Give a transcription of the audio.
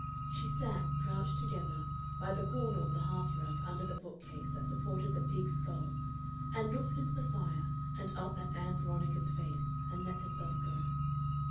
She sat, crouched together, by the corner of the hearthrug under the bookcase that supported the pig's skull, and looked into the fire and up at Ann Veronica's face, and let herself go.